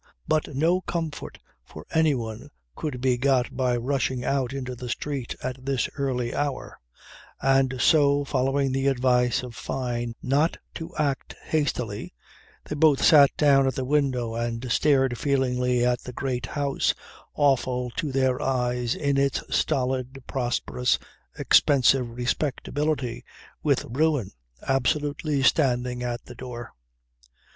But no comfort for anyone could be got by rushing out into the street at this early hour; and so, following the advice of Fyne not to act hastily, they both sat down at the window and stared feelingly at the great house, awful to their eyes in its stolid, prosperous, expensive respectability with ruin absolutely standing at the door.